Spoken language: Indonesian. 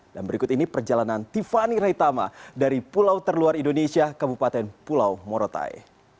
dan berikut ini perjalanan tiffany raitama dari pulau terluar indonesia ke bupaten pulau morotai